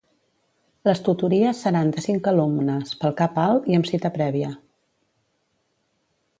Les tutories seran de cinc alumnes, pel cap alt, i amb cita prèvia.